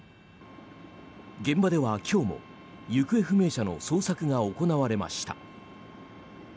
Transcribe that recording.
現場では今日も行方不明者の捜索が行われました。